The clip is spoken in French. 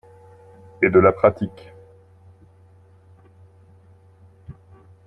Et de la pratique